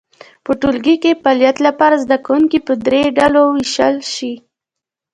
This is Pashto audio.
په ټولګي کې فعالیت لپاره زده کوونکي په درې ډلو وویشل شي.